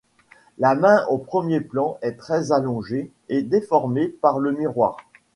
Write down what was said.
La main au premier plan est très allongée et déformée par le miroir.